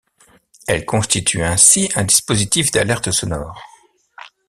Elles constituent ainsi un dispositif d'alerte sonore.